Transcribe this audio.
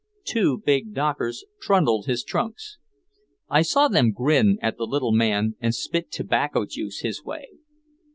Two big dockers trundled his trunks. I saw them grin at the little man and spit tobacco juice his way.